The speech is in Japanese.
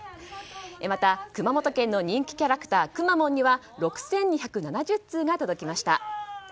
また熊本県の人気キャラクターくまモンには６２７０通が届きました。